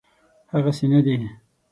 هغسي نه دی.